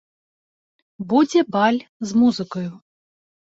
Будзе баль з музыкаю.